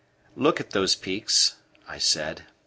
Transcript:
"Look at those peaks," I said.